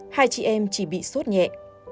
hai chị em chỉ bị suốt nhẹ